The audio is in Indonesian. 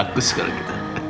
bagus kalau gitu